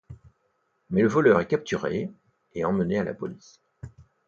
Mais le voleur est capturé et emmené à la police.